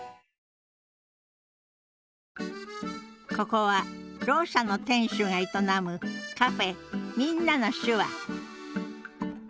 ここはろう者の店主が営むカフェ「みんなの手話」